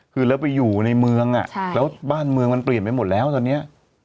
คือแล้วไปอยู่ในเมืองแล้วบ้านเมืองมันเปลี่ยนไปหมดแล้วตอนนี้